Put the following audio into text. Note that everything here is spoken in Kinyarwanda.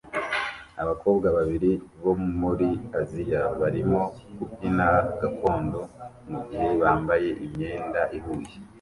Abakobwa babiri bo muri Aziya barimo kubyina gakondo mugihe bambaye imyenda ihuye